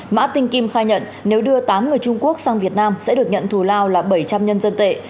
mã tinh kim khai nhận nếu đưa tám người trung quốc sang việt nam sẽ được nhận thù lao là bảy trăm linh nhân dân tệ